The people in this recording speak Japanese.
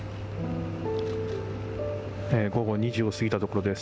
午後２時を過ぎたところです。